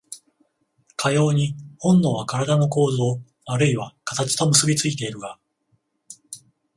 かように本能は身体の構造あるいは形と結び付いているが、